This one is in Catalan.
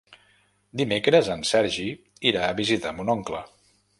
Dimecres en Sergi irà a visitar mon oncle.